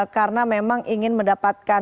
karena memang ingin mendapatkan